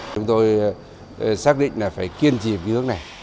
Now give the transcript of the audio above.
chúng tôi xác định là phải kiên trì kỹ thuật này